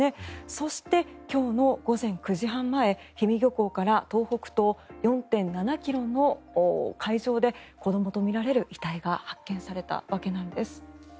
そして、今日の午前９時半前氷見漁港から東北東４．７ｋｍの海上で子どもとみられる遺体が発見されたわけなんです。